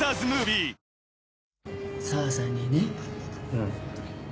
うん。